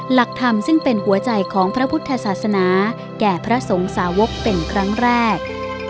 หลักธรรมซึ่งเป็นหัวใจของพระพุทธศาสนาแก่พระสงสาวกเป็นครั้งแรก